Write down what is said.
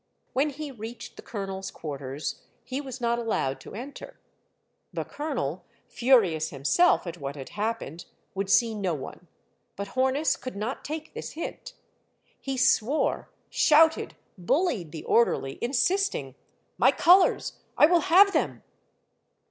When he reached the colonel's quarters, he was not allowed to enter. The colonel, furious himself at what had happened, would see no one. But Hornus could not take this hint. He swore, shouted, bullied the orderly, insisting, " My colors ! I will have them